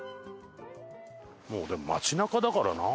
もうでも街なかだからな。